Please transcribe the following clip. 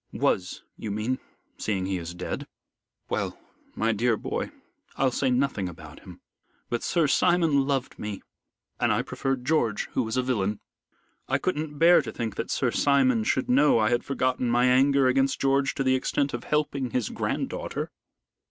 "Was, you mean, seeing he is dead. Well, my dear boy, I'll say nothing about him. But Sir Simon loved me and I preferred George, who was a villain. I couldn't bear to think that Sir Simon should know I had forgotten my anger against George to the extent of helping his grand daughter.